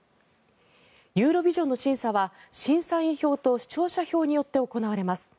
ユーロビジョンの審査は審査員票と視聴者票によって行われます。